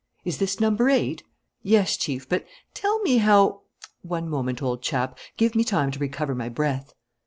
"Is this number eight?" "Yes, Chief, but tell me how " "One moment, old chap; give me time to recover my breath."